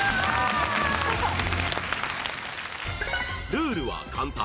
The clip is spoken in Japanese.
ルールは簡単